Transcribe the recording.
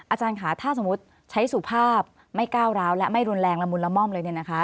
อาจารย์ค่ะถ้าสมมุติใช้สุภาพไม่ก้าวร้าวและไม่รุนแรงละมุนละม่อมเลย